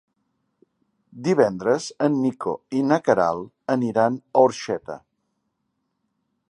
Divendres en Nico i na Queralt aniran a Orxeta.